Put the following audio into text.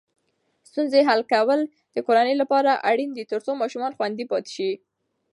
ستونزې حل کول د کورنۍ لپاره اړین دي ترڅو ماشومان خوندي پاتې شي.